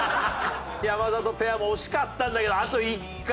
山里ペアも惜しかったんだけどあと１回。